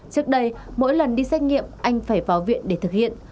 trước đây mỗi lần đi xét nghiệm anh phải vào viện để thực hiện